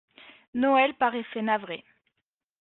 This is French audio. Noël paraissait navré.